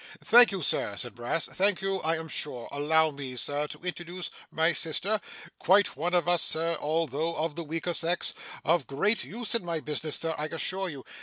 'Thank you Sir,' said Brass, 'thank you, I am sure. Allow me, Sir, to introduce my sister quite one of us Sir, although of the weaker sex of great use in my business Sir, I assure you.